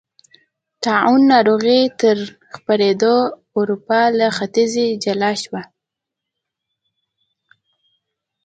طاعون ناروغۍ تر خپرېدو اروپا له ختیځې جلا شوه.